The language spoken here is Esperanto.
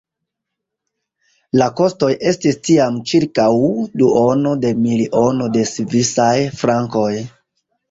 La kostoj estis tiam ĉirkaŭ duono de miliono de svisaj frankoj.